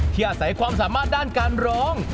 อาศัยความสามารถด้านการร้อง